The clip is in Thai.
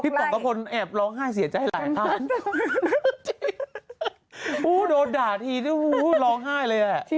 ฟักล้อง่ายอย่างนี้หรอ